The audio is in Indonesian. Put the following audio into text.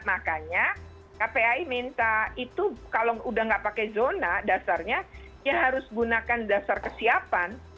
makanya kpai minta itu kalau udah nggak pakai zona dasarnya ya harus gunakan dasar kesiapan